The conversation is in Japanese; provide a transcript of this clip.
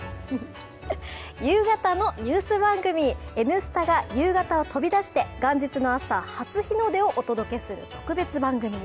夕方のニュース番組「Ｎスタ」が夕方を飛び出して元日の朝、初日の出をお送りする特別番組。